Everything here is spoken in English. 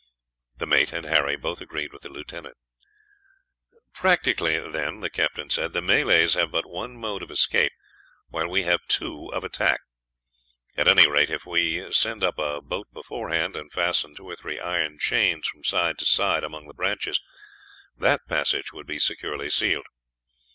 The mate and Harry both agreed with the lieutenant. "Practically, then," the captain said, "the Malays have but one mode of escape, while we have two of attack. At any rate, if we send up a boat beforehand, and fasten two or three iron chains from side to side among the branches, that passage would be securely sealed.